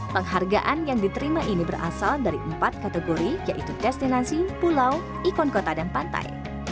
penghargaan yang diterima ini berasal dari empat kategori yaitu destinasi pulau ikon kota dan pantai